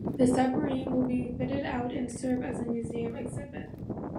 The submarine will be fitted out and serve as a museum exhibit.